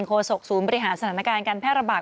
โศกศูนย์บริหารสถานการณ์การแพร่ระบาด